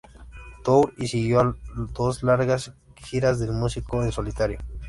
Tour, y siguió a dos largas giras del músico en solitario.